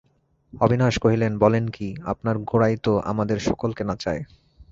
অবিনাশ কহিলেন, বলেন কী, আপনার গোরাই তো আমাদের সকলকে নাচায়।